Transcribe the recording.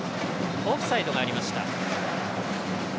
オフサイドがありました。